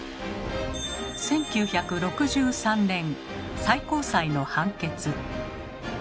１９６３年最高裁の判決。